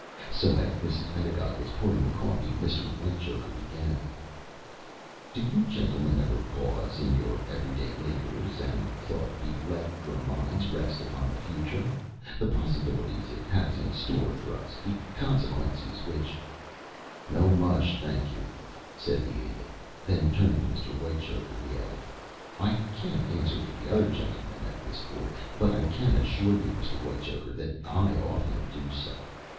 So, as Mrs. Pedagog was pouring the coffee, Mr. Whitechoker began: "Do you gentlemen ever pause in your every day labors and thought to let your minds rest upon the future the possibilities it has in store for us, the consequences which " "No mush, thank you," said the Idiot. Then turning to Mr. Whitechoker, he added: "I can't answer for the other gentlemen at this board, but I can assure you, Mr. Whitechoker, that I often do so.